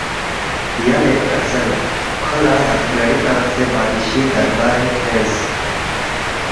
یلے کسل کھو لہ ہتھگڑی تنگسے بادشی دربارِنگ کھیرس